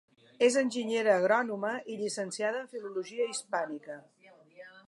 És enginyera agrònoma i llicenciada en Filologia Hispànica.